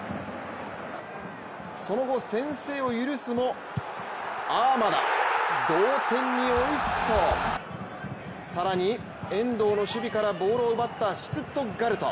その後、先制を許すもアーマダ同点に追いつくと更に遠藤の守備からボールを奪ったシュツットガルト。